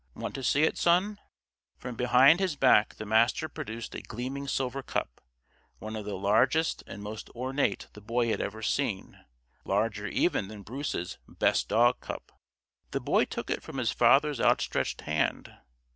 Want to see it, son?" From behind his back the Master produced a gleaming silver cup one of the largest and most ornate the Boy had ever seen larger even than Bruce's "Best Dog" cup. The Boy took it from his father's outstretched hand.